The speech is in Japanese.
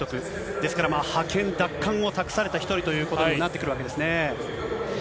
ですから、覇権奪還を託された一人ということになってくるわけですね。